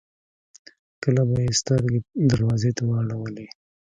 کله به يې سترګې دروازې ته واړولې.